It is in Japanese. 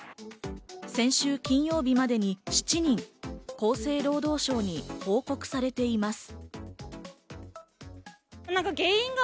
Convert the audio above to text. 先週金曜日までに７人、厚生労働省に報告されています。